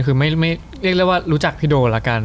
คือไม่เรียกเรียกว่ารู้จักพี่โด่ละกัน